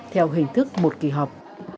theo hình thức một kỳ họp